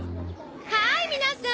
はい皆さん。